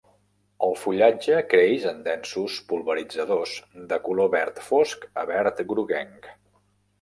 El fullatge creix en densos polvoritzadors, de color verd fosc a verd groguenc.